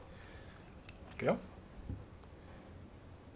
いくよ。